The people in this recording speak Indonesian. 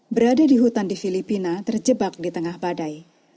berada di hutan di filipina terjebak di tengah badai